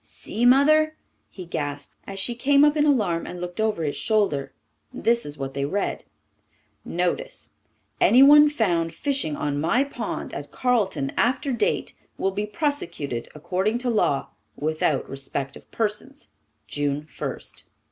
"See, Mother," he gasped, as she came up in alarm and looked over his shoulder. This is what they read: Notice Anyone found fishing on my pond at Carleton after date will be prosecuted according to law, without respect of persons. June First.